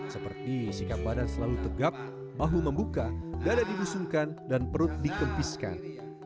seperti sikap badan selalu tegap bahu membuka dada dibusungkan dan perut dikempiskan